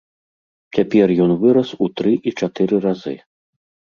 Цяпер ён вырас у тры і чатыры разы.